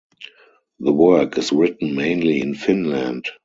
The work is written mainly in Finland.